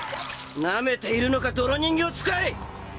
なめているのか泥人形使い！